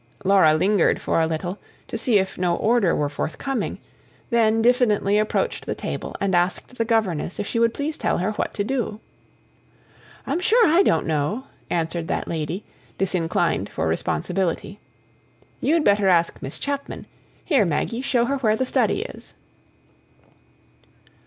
Laura lingered for a little, to see if no order were forthcoming, then diffidently approached the table and asked the governess if she would please tell her what to do. "I'm sure I don't know," answered that lady, disinclined for responsibility. "You'd better ask Miss Chapman. Here, Maggie, show her where the study is."